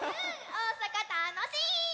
おおさかたのしい！